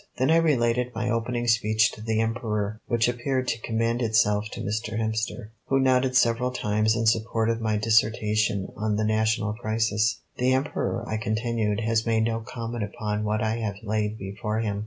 Then I related my opening speech to the Emperor, which appeared to commend itself to Mr. Hemster, who nodded several times in support of my dissertation on the national crisis. "The Emperor," I continued, "has made no comment upon what I have laid before him.